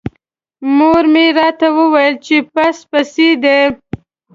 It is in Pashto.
مور مې راته وویل چې پس پسي دی.